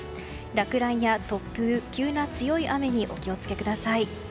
落雷や突風、急な強い雨にお気を付けください。